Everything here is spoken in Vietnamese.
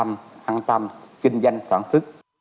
an tâm an tâm kinh doanh sản xuất